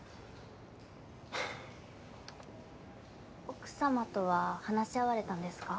奥さまとは話し合われたんですか？